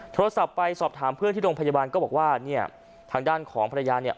โทรศัพท์ไปสอบถามเพื่อนที่โรงพยาบาลก็บอกว่าเนี่ยทางด้านของภรรยาเนี่ย